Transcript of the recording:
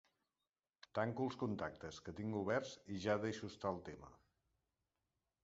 Tanco els contactes que tinc oberts i ja deixo estar el tema.